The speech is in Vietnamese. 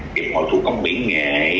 hiệp hội thu công biển nghệ